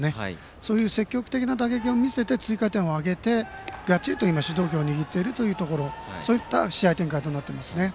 そういう積極的な打線を見せて追加点を挙げてがっちりと主導権を握っているというところそういった試合展開となっています。